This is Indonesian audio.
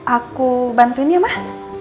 aku bantuin ya emang